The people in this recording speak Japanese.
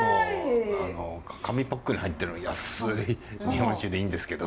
紙パックに入ってるような安い日本酒でいいんですけど。